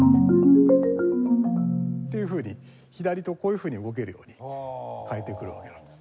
というふうに左手をこういうふうに動けるように変えてくるわけなんです。